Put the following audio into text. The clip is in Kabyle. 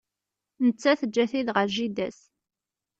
Netta teǧǧa-t-id ɣer jida-s.